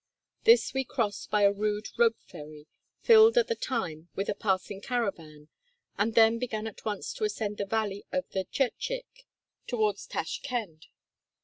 This we crossed by a rude rope ferry, filled at the time with a passing caravan, and then began at once to ascend the valley of the Tchirtchick toward Tashkend.